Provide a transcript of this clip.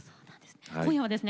今夜はですね